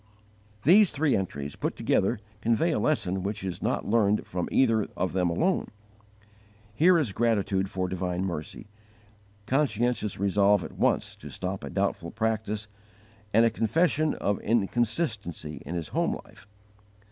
These three entries, put together, convey a lesson which is not learned from either of them alone. Here is gratitude for divine mercy, conscientious resolve at once to stop a doubtful practice, and a confession of inconsistency in his home life.